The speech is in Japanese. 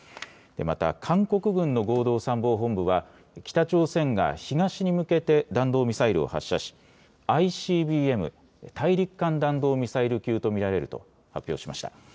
また韓国軍の合同参謀本部は北朝鮮が東に向けて弾道ミサイルを発射しＩＣＢＭ・大陸間弾道ミサイル級と見られると発表しました。